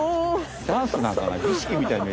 ダンスなんかな？